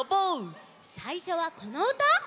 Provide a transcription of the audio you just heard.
さいしょはこのうた！